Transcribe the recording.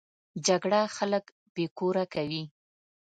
جګړه خلک بې کوره کوي